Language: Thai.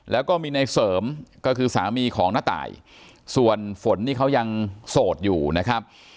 แล้วก็มีในเสริมก็คือสามีของน้าตายส่วนฝนนี่เขายังโสดอยู่นะครับ